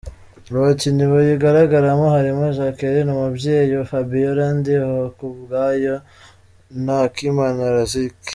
Abakinnyi bayigaragaramo harimo Jacqueline Umubyeyi, Fabiola Ndihokubwayo na Akimana Rizik.